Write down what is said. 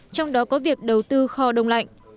trong đó có việc đầu tư kho đông lạnh